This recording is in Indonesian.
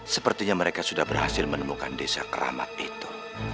sepertinya mereka sudah berhasil menemukan desa keramat itu